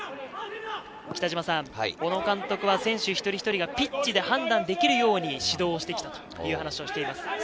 小野監督は選手一人一人がピッチで判断できるように指導してきたという話をしています。